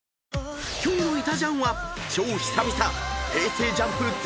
［今日の『いたジャン』は超久々］